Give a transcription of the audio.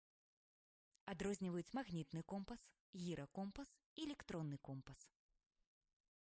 Адрозніваюць магнітны компас, гіракомпас і электронны компас.